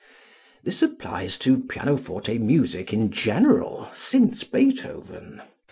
This applies to pianoforte music in general since Beethoven.